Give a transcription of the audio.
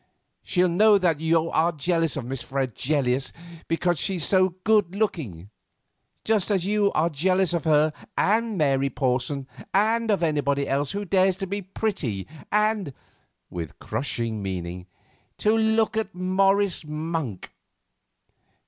She'll know that you are jealous of Miss Fregelius because she's so good looking; just as you are jealous of her, and of Mary Porson, and of anybody else who dares to be pretty and," with crushing meaning, "to look at Morris Monk."